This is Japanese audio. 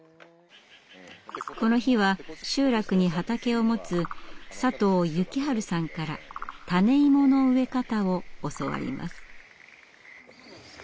この日は集落に畑を持つ佐藤幸治さんから種イモの植え方を教わります。